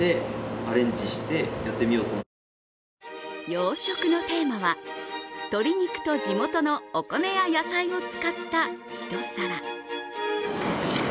洋食のテーマは、鶏肉と地元のお米や野菜を使った一皿。